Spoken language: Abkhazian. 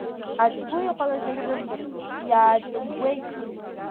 Ацгәы иҟалаз азымдырызт, иааҵыгәгәеит.